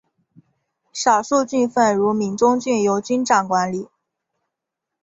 少数郡份如闽中郡由君长管理。